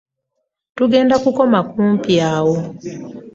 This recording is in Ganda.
Tugenda kukoma kumpi awo.